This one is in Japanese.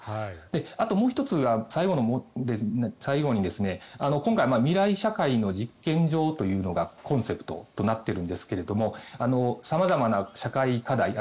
あともう１つ最後に、今回未来社会の実験場というのがコンセプトとなっているんですが様々な社会課題